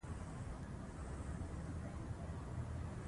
یو الهي او بل وضعي دین دئ.